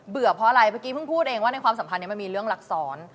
เพราะอะไรเมื่อกี้เพิ่งพูดเองว่าในความสัมพันธ์นี้มันมีเรื่องลักษร